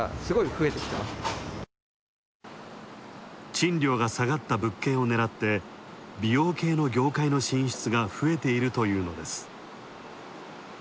賃料が下がった物件を狙って美容系の業界の進出が増えているというのです。